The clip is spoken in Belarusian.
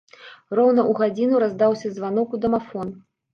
Роўна ў гадзіну раздаўся званок у дамафон.